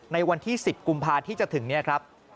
ในวันที่๑๐กุมภาที่จะถึงเนี่ยครับ